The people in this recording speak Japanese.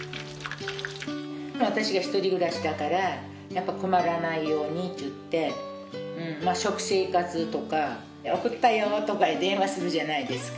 私が１人暮らしだから、やっぱ困らないようにっていって、食生活とか、送ったよとか電話するじゃないですか。